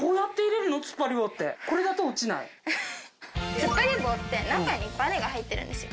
つっぱり棒って中にバネが入ってるんですよ。